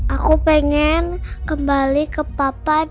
aku pengen kembali ke papan